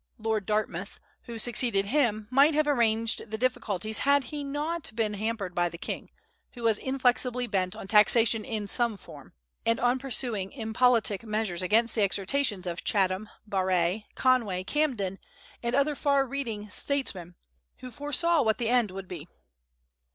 Lord Dartmouth, who succeeded him, might have arranged the difficulties had he not been hampered by the king, who was inflexibly bent on taxation in some form, and on pursuing impolitic measures, against the exhortations of Chatham, Barré, Conway, Camden, and other far reading statesmen, who foresaw what the end would be.